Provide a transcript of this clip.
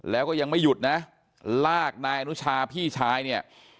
แล้วก็ยังไม่หยุดนะลากนายอนุชาพี่ชายเนี่ย